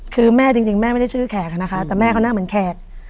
คือแม่จริงแม่ไม่ได้ชื่อแขกนะคะแต่แม่เขาหน้าเหมือนแขก